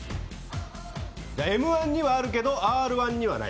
「Ｍ‐１」にはあるけど「Ｒ‐１」にはない。